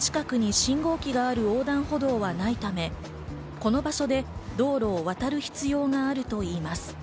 近くに信号機がある横断歩道がないため、この場所で道路を渡る必要があるといいます。